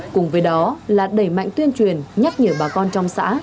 cùng với đó là đẩy mạnh tuyên truyền nhắc nhở bà con trong xã